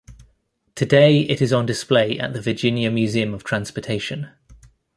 Today it is on display at the Virginia Museum of Transportation.